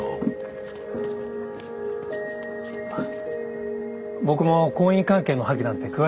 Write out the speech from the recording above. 僕も婚姻関係の破棄なんて詳しく知らないからね。